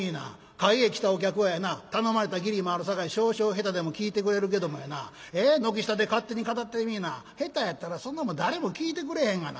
会へ来たお客はやな頼まれた義理もあるさかい少々下手でも聴いてくれるけどもやな軒下で勝手に語ってみいな下手やったらそんなもん誰も聴いてくれへんがな。